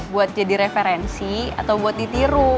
buat jadi referensi atau buat ditiru